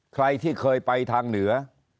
ใครที่เคยไปทางเหนือ